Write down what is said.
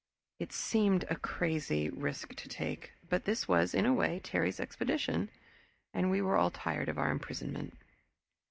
It seemed a crazy risk to take, but this was, in a way, Terry's expedition, and we were all tired of our imprisonment.